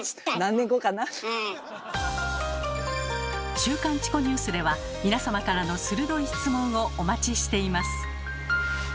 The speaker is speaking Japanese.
「週刊チコニュース」では皆様からの鋭い質問をお待ちしています。